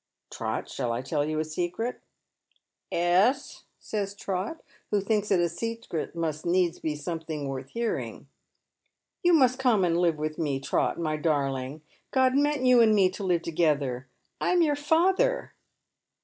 " Trot, shall I tell you a secret ?"" 'Ess," says Trot, who thinks that a secret must needs be something worth hearing. " You must come and live with me, Trot, my darling. God meant you and me to live together. I'm your father